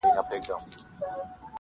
له دې غمه همېشه یمه پرېشانه-